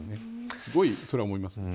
すごい、それは思いますね。